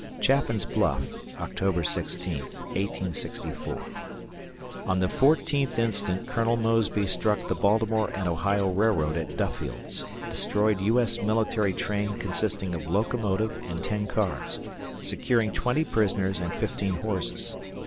Chaffin's Bluff, October 16th, 1864. On the 14th instant Colonel Mosby struck the Baltimore and Ohio Railroad at Duffield's, destroyed U. S. military train consisting of locomotive and ten cars, securing twenty prisoners and fifteen horses.